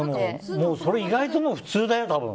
それ意外と普通だよ、多分。